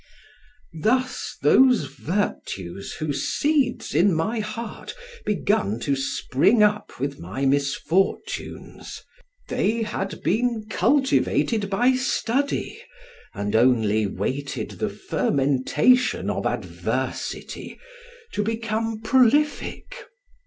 Thus those virtues whose seeds in my heart begun to spring up with my misfortunes: they had been cultivated by study, and only waited the fermentation of adversity to become prolific.